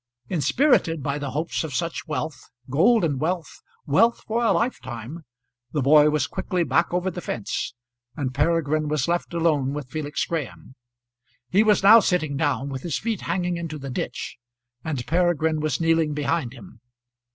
Inspirited by the hopes of such wealth, golden wealth, wealth for a lifetime, the boy was quickly back over the fence, and Peregrine was left alone with Felix Graham. He was now sitting down, with his feet hanging into the ditch, and Peregrine was kneeling behind him.